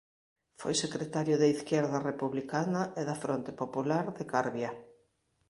Foi secretario de Izquierda Republicana e da Fronte Popular de Carbia.